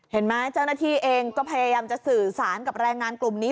เห็นไหมเจ้าหน้าที่เองก็พยายามจะสื่อสารกับแรงงานกลุ่มนี้